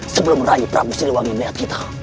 sebelum merayu prabu siliwangi mayat kita